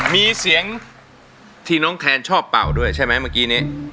มีเสียงที่น้องแคนชอบเป่าด้วยใช่ไหมเมื่อกี้นี้